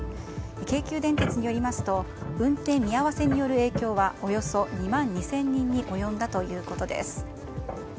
京急電鉄によりますと運転を見合わせによる影響はおよそ２万２０００人に及んだということです。